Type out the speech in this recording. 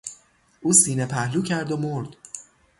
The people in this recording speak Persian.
او سینه پهلو کرد و مرد.